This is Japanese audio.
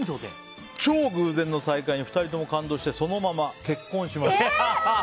超偶然の再会に２人共、感動してそのまま結婚しました。